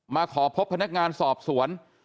มาขอพบพนักงานสอบสวน